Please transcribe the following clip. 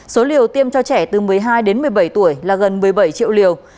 số liều tiêm cho trẻ từ một mươi hai đến một mươi bảy tuổi là gần một mươi bảy triệu liều